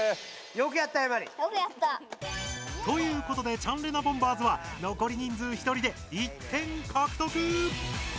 よくやった。ということでチャンレナボンバーズは残り人数１人で１点獲得。